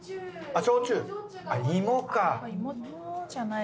芋か！